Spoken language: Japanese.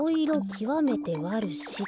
きわめてわるしと。